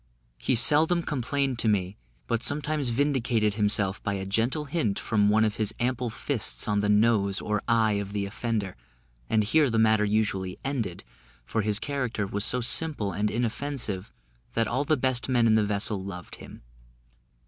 He seldom complained to me, but sometimes vindicated himself by a gentle hint from one of his ample fists on the nose or eye of the offender, and here the matter usually ended, for his character was so simple and inoffensive, that all the best men in the vessel loved him.